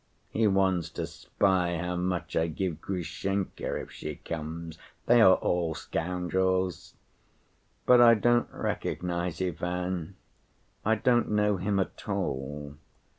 He wants to spy how much I give Grushenka if she comes. They are all scoundrels! But I don't recognize Ivan, I don't know him at all.